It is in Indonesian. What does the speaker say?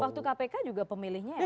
waktu kpk juga pemilihnya ya